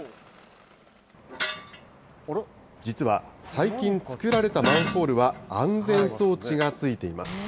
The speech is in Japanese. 実は最近作られたマンホールは、安全装置がついています。